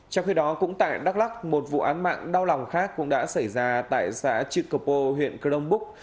trong khi đó cũng tại đắk lắc một vụ án mạng đau lòng khác cũng đã xảy ra tại xã trị cờ pô huyện cờ đông búc